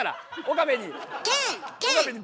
岡部に。